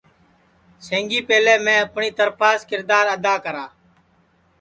سب پہلے میں اپٹؔی ترپھاس کِردار ادا کرا